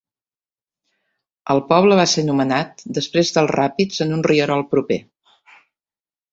El poble va ser nomenat després dels ràpids en un rierol proper.